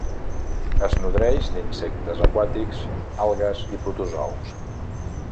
Es nodreix d'insectes aquàtics, algues i protozous.